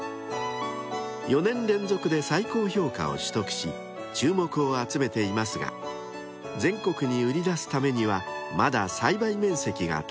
［４年連続で最高評価を取得し注目を集めていますが全国に売り出すためにはまだ栽培面積が足りないといいます］